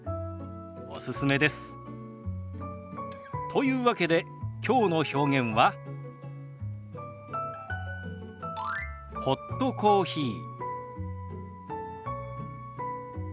というわけできょうの表現は「ホットコーヒー」。